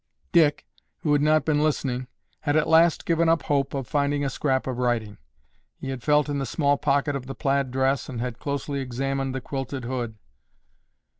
Dick, who had not been listening, had at last given up hope of finding a scrap of writing. He had felt in the small pocket of the plaid dress and had closely examined the quilted hood.